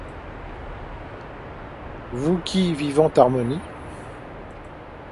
Vous qui, vivantes harmonies